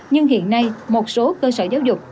nhưng hiện nay một số cơ sở giáo dục